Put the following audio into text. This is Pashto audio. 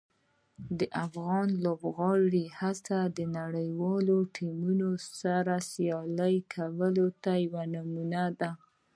د افغان لوبغاړو هڅې د نړیوالو ټیمونو سره سیالي کولو ته یوه نمونه ده.